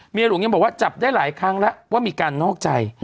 หลวงยังบอกว่าจับได้หลายครั้งแล้วว่ามีการนอกใจ